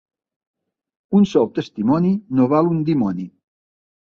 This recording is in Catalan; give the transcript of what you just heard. Un sol testimoni no val un dimoni.